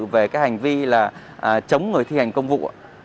về cái hành vi là chống người thi hành công vụ